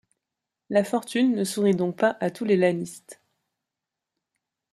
La fortune ne sourit donc pas à tous les lanistes.